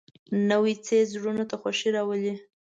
نوی څېز زړونو ته خوښي راولي